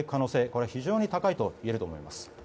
これは非常に高いといえると思います。